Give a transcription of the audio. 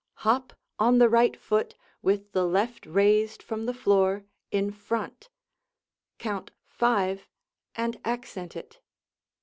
Hop on the right foot with the left raised from the floor in front, count "five" and accent it.